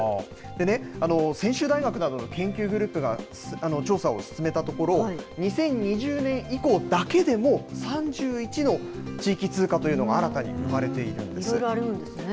でね、専修大学などの研究グループが調査を進めたところ、２０２０年以降だけでも、３１の地域通貨というのが新たに生まれているいろいろあるんですね。